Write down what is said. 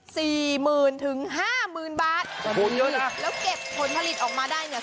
สี่หมื่นถึงห้าหมื่นบาทสมบูรณ์เยอะเหรอแล้วเก็บผลผลิตออกมาได้เนี่ย